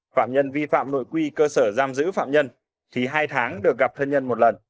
phạm nhân vi phạm nội quy cơ sở giam giữ phạm nhân thì hai tháng được gặp thân nhân một lần